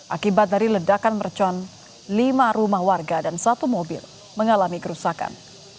akibat dari ledakan mercon lima rumah warga dan satu mobil mengalami kerusakan